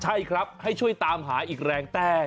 ใช่ครับให้ช่วยตามหาอีกแรงแต่